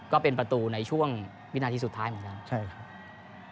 ก็เป็นประตูในช่วงวินาทีสุดท้ายเหมือนกันใช่ครับ